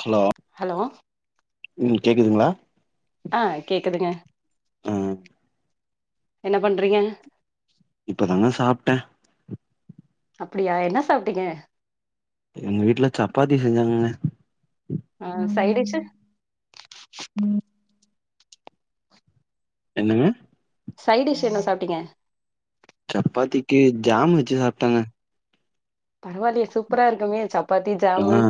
Hello hello ம் கேக்குதுங்களா ஆ கேக்குதுங்க ஆ என்ன பண்றீங்க இப்பதாங்க சாப்ட்டே அப்டியா என்னா சாப்ட்டீங்க எங்க வீட்ல சப்பாத்தி செஞ்சாங்கங்க ஆ சைடிசு என்னங்க சைடிஷ் என்ன சாப்ட்டீங்க சப்பாத்திக்கு ஜாம் வச்சு சாப்ட்டங்க பரவால்லயே சூப்பரா இருக்குமே சப் ஆ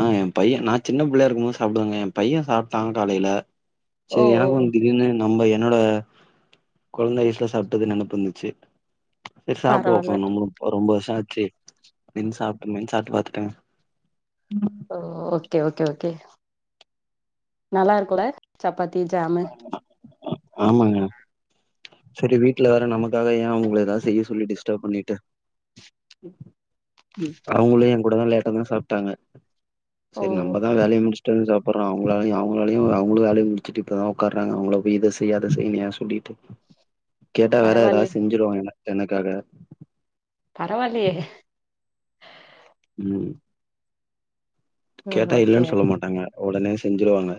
ஆ ஏ பைய நா சின்ன பிள்ளையா இருக்கும் போது சாப்டுவங்க ஏ பைய சாப்ட்டாங்க காலையில ஓ சரி ஓ ஓ. எனக்கு திடீர்னு நம்ம என்னோட கொழந்த வயஸ்ல சாப்ட்டது நெனப்பு வந்துச்சு சரி சாப்டுவோ பரவால்ல நம்மளு இப்போ ரொம்ப வருஷ ஆச்சு மின் சாப்ட்டு மீன் சாப்ட்டு பாத்த ஆ ஓ ஓகே ஓகே ஓகே நல்லா இருக்குல்ல சப்பாத்தி ஜாமு ஆமாங்க சரி வீட்ல வர நமக்காக ஏ உங்க ஏதாவது செய்ய சொல்லி டிஸ்டர்ப் பண்ணிட்டு அவங்களு ஏ கூடதா லேட்டா தா சாப்ட்டாங்க ஓ சரி நம்மதா வேலைய முடிச் சாப்பற அவங்களாலையு அவங்களாலையு அவங்களு வேலையு முடிச்சுட்டு இப்பதா உக்காறாங் அவங்கள போ இத செய் செய்யாத செய்னியா சொல்லிட்டு கேட்ட வேற பரவாயில்ல ஏதாவது செஞ்சிருவாங்க என எனக்காக பரவால்லயே ம் ம் கேட்டா ஓகே இல்லன்னு சொல்ல மாட்டாங்க ஒடனே செஞ்சிருவாங்க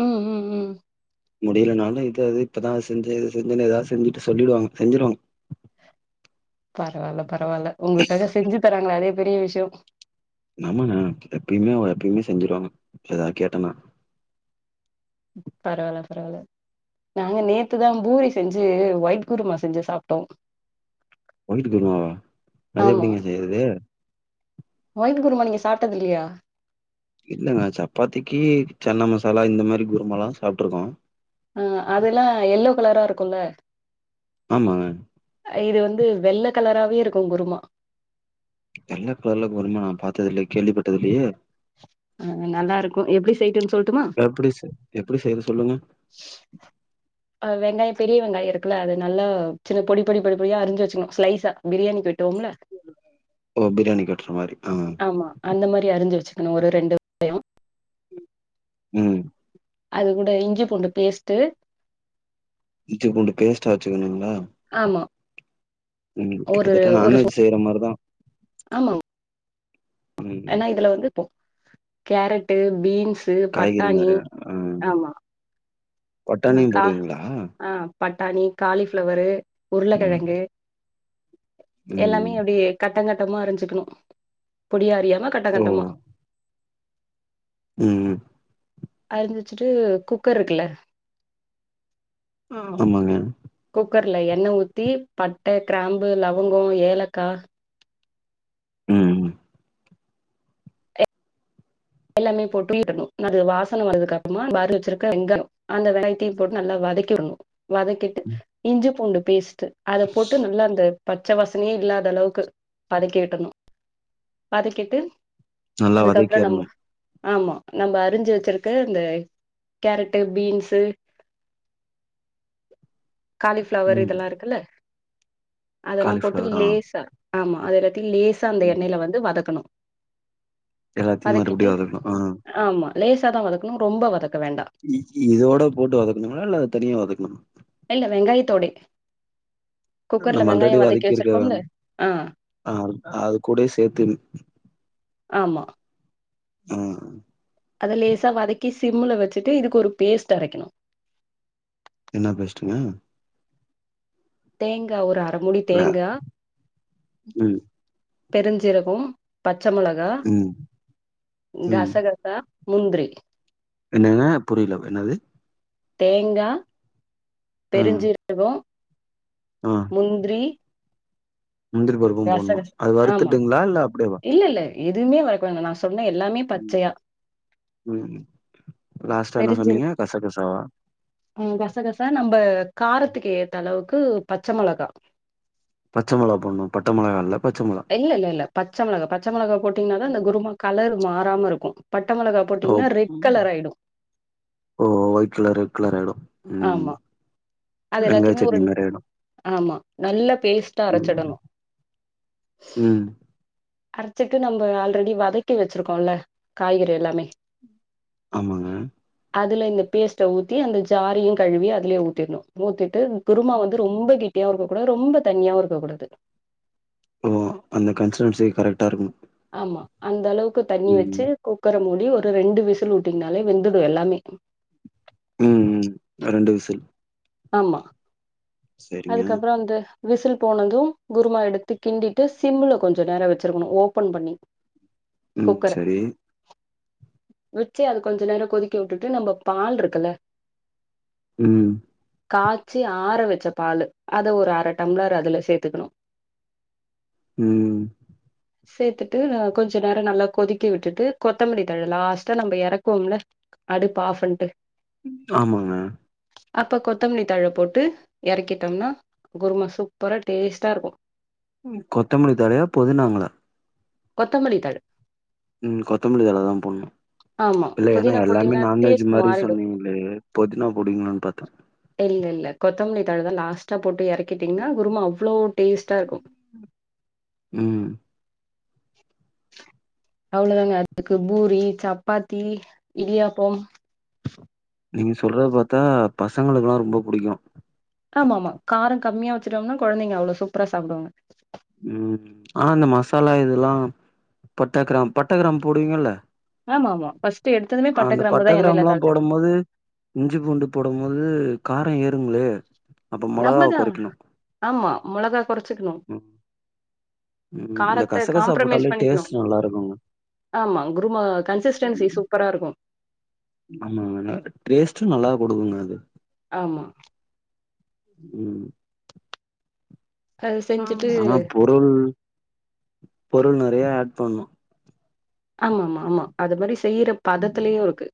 ம் ம் ம் முடியலனாலு இது அது இப்பதா செஞ்சு இது செஞ்சன்னு ஏதாவ செஞ்சுட்டு சொல்லிடுவாங்க செஞ்சருவாங்க பரவால்ல பரவால்ல உங்களுக்காக செஞ்சு தராங்களா அதே பெரிய விஷய எங்க அம்மாங்க கிட்ட எப்பயுமே அவ எப்பயுமே செஞ்சிருவாங்க ஏதாது கேட்டன்னா பரவால் பரவால்ல நாங்க நேத்துதா பூரி செஞ்சி ஒயிட் குருமா செஞ்சி சாப்டோ ஒயிடு குருமாவா அது ஆமா எப்டிங்க செய்றது ஒயிட் குருமா நீங்க சாப்டது இல்லையா இல்லங்க சப்பாத்திக்கு சென்னா மசாலா இந்த மாரி குருமால்லா சாப்டிருக்கோ ஆ அதெல்லா எல்லோ கலரா இருக்குல்ல ஆமாங்க இது வந்து வெள்ள கலராவே இருக்கு குருமா வெள்ள கலர்ல குருமா நா பாத்தது இல்ல கேள்விப்பட்டது இலையே ஆ நல்லா இருக்கு எப்டி செய்டோன் சொல்டுமா எப்டி செ எப்டி செய்றது சொல்லுங்க அ வெங்காயோ பெரிய வெங்காயோ இருக்குல்ல அது நல்லா சின்ன பொடி பொடி பொடி பொடி பொடியா அறிஞ்சு வெச்சிகணு ஸ்லைசா பிரியாணிக்கு வெட்டுவோம்ல ஓ பிரியாணிக்கு வெட்றா மாரி ஆ ஆமா அந்த மாரி அறிஞ்சு வெச்சுக்கணு ஒரு ரெண்டு ம் அது கூட இஞ்சி பூண்டு பேஸ்ட்டு இஞ்சி பூண்டு பேஸ்டா அரச்சுக்கணுங்ளா ஆமா ம் ஒரு கிட்டத்தட்ட ஒரு நான்வெஜ் ஸ்பூன் செய்ற மாரிதா ம் என்னா இதுல வந்து இப்போ கேரட்டு பீன்ஸ் சு காய்கறி பட்டாணி நெறையா ஆ ஆமா ஆ பட்டாணியு கா போடுவீங்களா பட்டாணி காலிஃபிளவரு ம் உருளக்கெழங்கு எல்லாமே ம் அப்டியே கட்டங்கட்டமா அறிஞ்சிக்கணு பொடியா அறியாம ஓ கட்டங்கட்டமா ம் ம் அறிஞ்சி வெச்சிட்டு குக்கர் இருக்குல்ல ஆமாங்க குக்கர்ல எண்ண ஊத்தி பட்ட கிராம்பு லவங்கோ ஏலக்கா ம் ம் எல்லாமே போட்டு பொறிய விடனு அது வாசன வரதுக்கு அப்றமா அறிஞ்சி வெச்சிருக்க வெங்கயோ அந்த வெங்காயத்தையு போட்டு நல்லா வதக்கிறனு வதக்கிட்டு இஞ்சி பூண்டு பேஸ்ட் அத போட்டு நல்லா அந்த பச்ச வாசனையே இல்லாத அளவுக்கு வதக்கிவிட்டுன்னு வதக்கிட்டு நல்லா அதுக்கப்புறோ நம்ம வதக்கிறணு ஆமா நம்ம அறிஞ்சு வெச்சிருக்க இந்த கேரட்டு பீன்ஸு காலிஃப்ளவர் ம் இதெல்லா இருக்குல்ல அதெல்லா போட்டு காலிஃப்ளவர் ஆ லேசா ஆமா அது எல்லத்தையு லேசா அந்த ம் எண்ணையில வந்து வதக்கணு எல்லாத்தையு வதக்கிட்டு மறுபடியு வதக்கனு ஆ ஆமா லேசா தா வதக்கணு ரொம்ப வதக்க வேண்டா இ இதோட போட்டு வதக்கணுங்ளா இல்ல அத தனியா வதக்கணுங்ளா இல்ல வெங்காயத்தோடே குக்கர்ல நம்ம வெங்காயோ ஆல்ரெடி வதக்கி வதக்கிருக்க வச்சிருக்கோம்ல ஆ ஆ அது கூடே சேத்து ஆமா ஆ அத லேசாக வதக்கி சிம்முல வச்சுட்டு இதுக்கு ஒரு பேஸ்ட் அரைக்கணு என்னா பேஸ்ட்டுங்க தேங்கா ஒரு அர முடி வே தேங்கா ம் பெருஞ்ஜிரகம் பச்ச மொளகா ம் ம் கசகசா முந்ரி என்னங்க புரில என்னது தேங்கா பெருஞ்ஜீரகோ ம் முந்ரி முந்திரி பருப்பு போட்ணு அது வறுத்துட்டுங்ளா இல்ல அப்டே வா எதுமே வதக்க வேணா நா சொன்ன எல்லாமே ம் பச்சையா ம் லாஸ்ட்டா என்ன சொன்னீங்க கச கசாவா ம் கசகசா நம்ப காரத்துக்கு ஏத்த அளவுக்கு பச்ச மொளகா பச்ச மொளா போட்ணு பட்ட மொளகா இல்ல பச்ச மொளா இல்ல இல்ல இல்ல பச்சை மொளகா பச்ச மொளகா போட்டீங்னாதா அந்த குருமா கலர் மாறாமருக்கு பட்ட மொளகா ஓ போட்டீங்கன்னா ரெட் ம். கலர் ஆயிடு ஓ வொயிட் கலர் ரெட் கலர் ஆயிடு ம் ஆமா அது வெங்காய எல்லாத்தையுமே ஒரு சட்னி மாரி ஆயிடு ஆமா நல்ல பேஸ்ட்டா ம் அரைச்சிடணு ம் அரைச்சிட்டு நம்ப ஆல்ரெடி வதக்கி வச்சிருக்கோல காய்கறி எல்லாமே ஆமாங்க அதுல இந்த பேஸ்ட்ட ஊத்தி அந்த ஜாரயு கழுவி அதுலே ஊத்திண்ணு ஊத்திட்டு குருமா வந்து ரொம்ப கெட்டியாவு இருக்க கூடாது ரொம்ப தண்ணியாவு இருக்க கூடாது ஓ அந்த கன்சிஸ்டன்சி கரெட்டா இருக்குணு ஆமா அந்தளவுக்கு தண்ணி வச்சு குக்கர மூடி ஒரு ரெண்டு விசில் உட்டுங்னாலே வெந்துரு எல்லாமே ம் ம் ரெண்டு விசில் ஆமா சரிங்க அதுக்கப்ன்றோ அந்த விசில் போனது குருமா எடுத்து கிண்டிட்டு சிம்ல கொஞ்ச நேரோ வச்சிருக்கணு ஓப்பன் பண்ணி ம் குக்கர சரி வெச்சி அது கொஞ்ச நேரோ கொதிக்க உட்டுட்டு நம்ம பால்ருக்குல ம் காய்ச்சி ஆற வச்ச பாலு அத ஒரு அர டம்ளர் அதுல சேத்துக்குணு ம் சேத்துட்டு கொஞ்ச நேரோ நல்லா கொதிக்க விட்டுட்டு கொத்தமல்லி தழ லாஸ்ட்டா நம்ப எறக்குவோம்ல அடுப்பு ஆஃப் பண்ட்டு ஆமாங்க அப்ப கொத்தமல்லி தழ போட்டு எறக்கிட்டம்னா குருமா சூப்பரா டேஸ்ட்டாருக்கு கொத்தமல்லி தழையா பொதினாங்ளா கொத்தமல்லி தழ ம் கொத்தமல்லி தல தா போன்ணு ஆமா இல்ல ஏன்னா புதினா எல்லாமே போட்டீங்கன்னா நான்வெஜ் டேஸ்ட் மாரி மாறிடு சொன்னீங்ளே பொதினா போடுவீங்ளான் பார்த்த இல்ல இல்ல கொத்தமல்லி தழ தா லாஸ்ட்டா போட்டு இறக்கிட்டீங்னா குருமா அவ்ளோ டேஸ்ட்டா இருக்கு ம் அவ்ளோ தாங்க அதுக்கு பூரி சப்பாத்தி இடியாப்பம் நீங்க சொல்றது பார்த்தா பசங்களுக்லா ரொம்ப புடிக்கு ஆமா ஆமா காரம் கம்மியா வச்சுட்டோம்னா கொழந்தைங்க அவ்ளோ சூப்பரா சாப்டுவாங்க ம் ஆனா இந்த மசாலா இதெல்லா பட்ட கிராம் பட்ட கிராம் போடுவீங்கல்ல ஆமா ஆமா ஃபர்ஸ்ட் எடுத்ததுமே அந்த பட்ட கிராம்புதா எண்ணெய்ல கிராம்லா தாளிச்சு போடும்போது இஞ்சி பூண்டு போடும் போது கார ஏறுங்ளே நம்மதா ஆமா மொளகா கொறச்சுக்கணு ம் ம் இந்த காரத்த கசகசா காம்ப்ரமைஸ் போட்டாலே பண்ணிக்கணு டேஸ்ட் நல்லா இருக்குங்க ஆமா குருமா கன்சிஸ்டன்சி சூப்பரா இருக்கு ஆமா டேஸ்ட்டு நல்லா குடுக்குங்க அது ஆமா ம் அது செஞ்சுட்டு ஆனா பொருள் பொருள் நறைய ஆட் பண்ணு ஆமா ஆமா ஆமா அது மாரி செய்யுற பதத்துலயு இருக்கு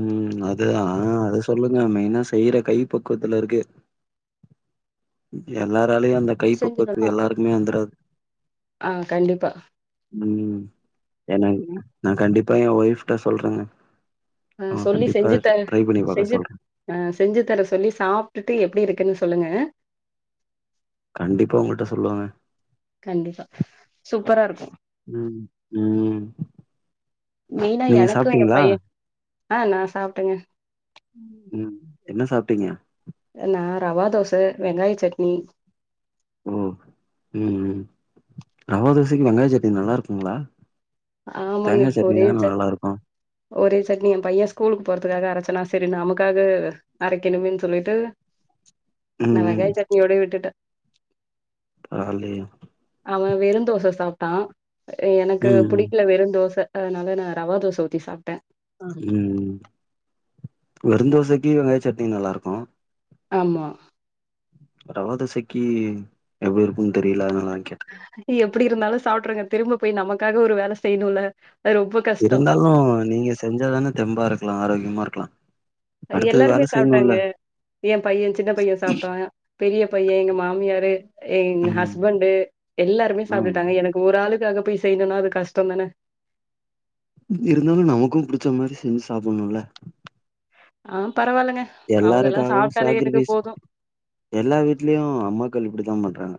ம் அதுதா அது சொல்லுங்க மெயினா செய்யிற கை பக்குவத்துல இருக்கு எல்லாராலயு அந்த கை செஞ்சுட்டோனா பக்குவத்துக்கு எல்லாருக்குமே வந்துராது ஆ கண்டிப்பா ம் எனங் நா கண்டிப்பா என் ஒய்ஃப்ட்ட சொல்றங்க ஆ சொல்லி கண்டிப்பா செஞ்சு தர ட்ரை பண்ணி பாக்க செஞ்சு சொல்ற ஆ செஞ்சு தர சொல்லி சாப்டுட்டு எப்டி இருக்குனு சொல்லுங்க கண்டிப்பா உங்கள்ட்ட சொல்லுவங்க கண்டிப்பா சூப்பரா இருக்கு ம். ம். மெய்னா நீங்க எனக்கு என் சாப்ட்டீங்களா? பையன் ஆ நா சாப்டங்க ம் என்ன சாப்டீங்க நா ரவா தோச வெங்காய சட்னி ஓ ம் ம் ரவா தோசைக்கு வெங்காய சட்னி நல்லா இருக்குங்ளா ஆமாங்க ஒரே சட் நல்லாருக்கும். ஒரே சட்னி என் பையன் ஸ்கூலுக்கு போறதுக்காக அரச்சனா செரி நமக்காக அரைக்கணுமேன் சொல்லிட்டு ம், நா ம். வெங்காய சட்னியோட விட்டுட்ட ஆலே அவன் வெறு தோச சாப்ட்டான் எனக்கு ம், ம். புடிக் ல்ல வெறு தோச அதனால நா ரவா தோச ஊத்தி சாப்ட்ட ம் வெறு‌ தோசைக்கு வெங்காய சட்னி நல்லா இருக்கு ஆமா ரவா தோசைக்கி எப் இருக்குனு தெரில அதனாலதா கேட் நீ எப்படி இருந்தாலு சாப்டுருங்க திரும்ப போய் நமக்காக ஒரு வேல செய்ணுல அது ரொம்ப கஷ்டோ இருந்தாலு நீங்க செஞ்சாதான தெம்பா இருக்லா ஆரோக்கியமா இருக்லா எல்லாருமே சாப்ட்டாங்க என் பையன் சின்ன பையன் சாப்ட்டான் பெரிய பையன் எங்க மாமியாரு எங் ம் ஹஸ்பண்டு எல்லாருமே ம் சாப்டுட்டாங்க எனக் ஒரு ஆளுக்காக போய் செய்ணுன்னா அது கஷ்ட தான இருந்தாலு நமக்கும் புடிச்ச மாரி செஞ்சு சாப்புணுல்ல ஆ பரவால்லங்க அவுங்கல்லா எல்லாருக்காகவும் சாப்ட்டாலே எனக்கு சேக்ரிஃபைஸ் போது எல்லா வீட்லயு அம்மாக்கள் இப்டிதாபண்றாங்க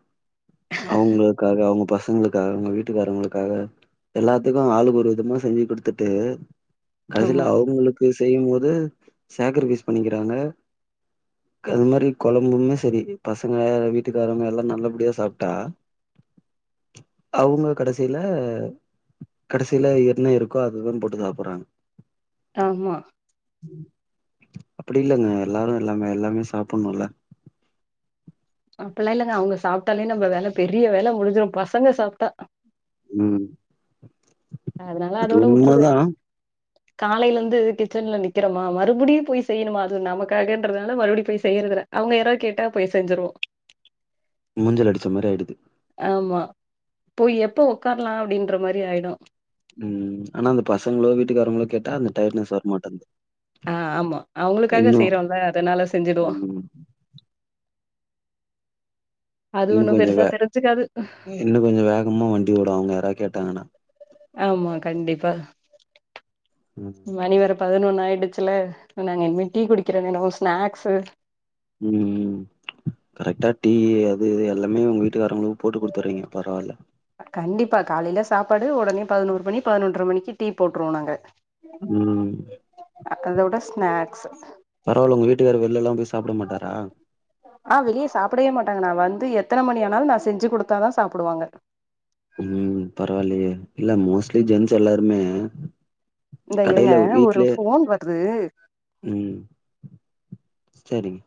அவுங் க்காக அவுங்க பசங்களுக்காக அவுங்க வீட்டுக்காரங்களுக்காக எல்லாத்துக்கு ஆளுக்கு ஒரு விதமா செஞ்சு குடுத்துட்டு கடைசில ஆமா அவுங்களுக்கு செய்யும்போது சேக்ரிஃபைஸ் பண்ணிக்கிறாங்க க்கு அது மாரி கொழம்புமே செரி பசங்க வீட்டுக்காரங்க எல்லா நல்லபடியா சாப்ட்டா அவுங்க கடைசில கடைசில என்ன இருக்கோ அதுதான் போட்டு சாப்டுறாங்க ஆமா அப்டி இல்லங்க எல்லாரு எல்லாமே எல்லாமே சாப்பணுல்ல அப்பெல்லா இல்லங்க அவுங்க சாப்ட்டாலே நம்ம வேல பெரிய வேல முடிஞ்சிரு பசங்க சாப்ட்டா ம் அதனால அது அதோட விட்டுறது உண்மதா காலைல இருந்து கிச்சன்ல நிக்கிறமா மறுபடியும் போய் செய்யணுமா அது நமக்காகன்றதுனால மறுபடியும் போய் செய்யறது இல்ல அவுங்க யார கேட்டா போய் செஞ்சிருவோ மூஞ்சில அடிச்ச மாரி ஆயிடுது ஆமா போய் எப்ப உக்காரலா அப்டின்ற மாரி ஆயிடு ம் ஆனா அந்த பசங்களோ வீட்டுக்காரங்களோ கேட்டா அந்த டையர்ட்னஸ் வரமாட்டன்து ஆ ஆமா அவுங்களுக்காக செய்யறோல்ல அதனால செஞ்சிடுவோ ம் அது இன்னு ஒண்ணு கொஞ்சோ பெருசா வே தெருஞ்சிக்காது இன்னு கொஞ்சோ வேகமா வண்டி ஓடு அவுங்க யாருனா கேட்டாங்கனா ஆமா கண்டிப்பா ம் மணி வேற பதினொன்னு ஆயிடுச்சில்ல நாங்க இனிமே டீ குடிக்கிற நேரோ ஸ்நாக்ஸு ம் ம் கரெக்ட்டா டீ அது இது எல்லாமே உங்க வீட்டுக்காரவங்களுக்கு போட்டு குடுத்தர்றீங்க பரவால்ல கண்டிப்பா காலைல சாப்பாடு ஒடனே பதினோரு மணி பதினொன்றர மணிக்கு டீ போட்டுருவோ நாங்க ம் அதோட ஸ்நாக்ஸு பரவால்ல உங்க வீட்டுக்காரர் வெளில எல்லா போய் சாப்ட மாட்டாரா ஆ வெளிய சாப்டவே மாட்டாங்க நா வந்து எத்தன மணியானாலு நா செஞ்சு குடுத்தாதா சாப்டுவாங்க ம் பரவால்லயே இல்ல மோஸ்ட்லி ஜென்ஸ் எல்லாருமே இந்தா இருங்க கடையில ஒரு வீட்லயே ஃபோன் வருது ம் செரிங்